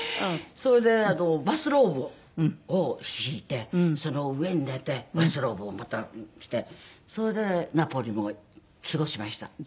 それでバスローブを敷いてその上に寝てバスローブをまた着てそれでナポリも過ごしました。